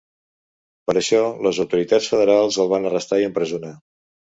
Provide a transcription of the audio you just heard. Per això, les autoritats federals el van arrestar i empresonar.